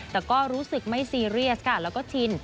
แต่ก็รู้สึกไม่ซีเรียสค่ะแล้วก็ชิน